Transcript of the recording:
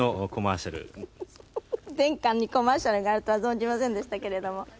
殿下にコマーシャルがあるとは存じませんでしたけれども。